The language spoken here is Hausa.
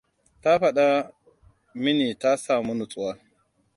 Ta faɗa minita samu nutsuwa.